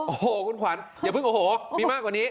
โอ้โหคุณขวัญอย่าเพิ่งโอ้โหมีมากกว่านี้